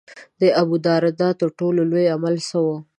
د ابوالدرداء تر ټولو لوی عمل څه و.